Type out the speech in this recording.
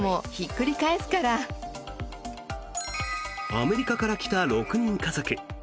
アメリカから来た６人家族。